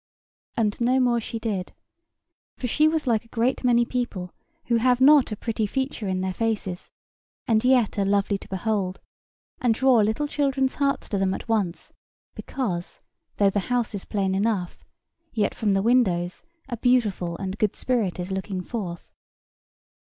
And no more she did; for she was like a great many people who have not a pretty feature in their faces, and yet are lovely to behold, and draw little children's hearts to them at once because though the house is plain enough, yet from the windows a beautiful and good spirit is looking forth.